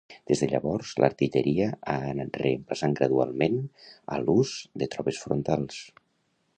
Des de llavors, l'artilleria ha anat reemplaçant gradualment a l'ús de tropes frontals.